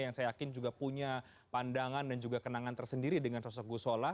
yang saya yakin juga punya pandangan dan juga kenangan tersendiri dengan sosok gusola